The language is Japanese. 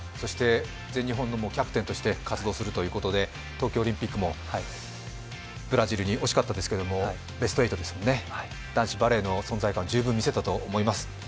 全日本のキャプテンとして活動するということで東京オリンピックもブラジルに惜しかったんですけどベスト８ですよね、男子バレーの存在感、十分見せたと思います。